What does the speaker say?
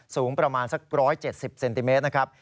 สูงประมาณสัก๑๗๐เซนติเมตรนะครับ